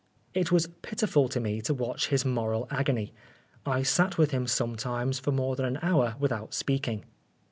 It was pitiful to me to watch his moral agony. I sat with him sometimes for more than an hour without speaking.